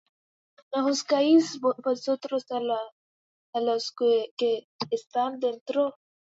¿No juzgáis vosotros á los que están dentro?